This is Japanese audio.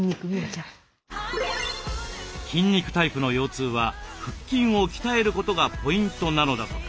筋肉タイプの腰痛は腹筋を鍛えることがポイントなのだとか。